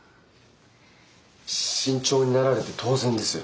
慎重になられて当然です。